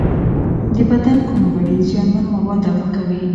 د بدن کوم غړي زیانمن مواد دفع کوي؟